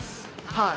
はい。